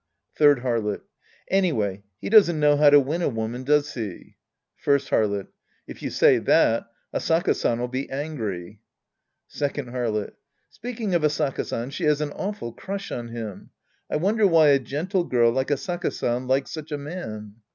Third Harlot. Anyway he doesn't know how to win a woman, does he ? First Harlot. If you say that, Asaka San'U be angry. Second Harlot. Speaking of Asaka San, she has an awful crush on liim. I wonder why a gentle girl like Asaka San likes such a man.